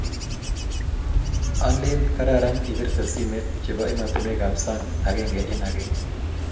alen karan ipirte simet chebo ematinwek ab sanga agenge eng agenge